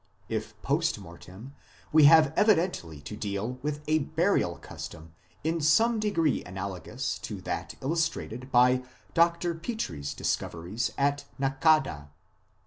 If post mortem, we have evidently to deal with a burial custom in some degree analogous to that illustrated by Dr. Petrie s discoveries at Naqada.